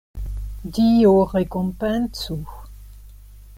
Dio rekompencu!